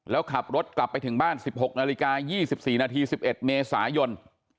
แล้วขับรถกลับไปถึงบ้าน๑๖นาฬิกา๒๔นาที๑๑เมษายน